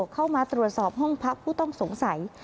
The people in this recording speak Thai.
เข้ามาตรวจสอบห้องพักผู้ต้องสงสัย